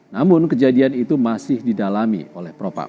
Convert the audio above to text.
namun kejadian itu masih didalami oleh propam